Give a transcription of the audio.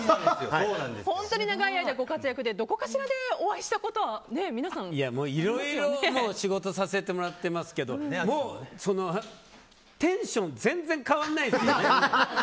本当に長い間ご活躍でどこかしらでお会いしたことはいろいろ仕事させてもらってますがテンション全然変わらないですね。